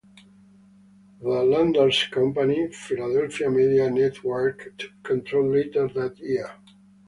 The lenders' company, Philadelphia Media Network, took control later that year.